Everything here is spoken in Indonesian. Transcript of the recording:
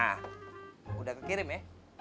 ah udah kekirim ya